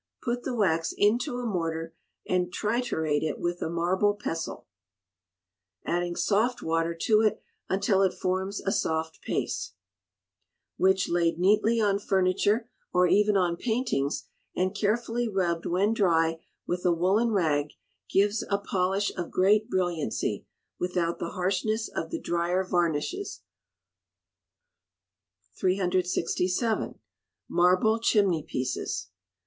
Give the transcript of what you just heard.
Put the wax into a mortar, and triturate it with a marble pestle, adding soft water to it until it forms a soft paste, which, laid neatly on furniture, or even on paintings, and carefully rubbed when dry with a woollen rag, gives a polish of great brilliancy, without the harshness of the drier varnishes. 367. Marble Chimney Pieces.